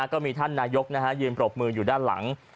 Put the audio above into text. ก็มีท่านนายกยืนปรบมืออยู่ด้านหลัง